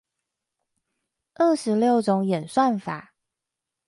二十六種演算法